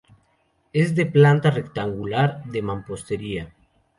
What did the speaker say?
Es de planta rectangular, de mampostería.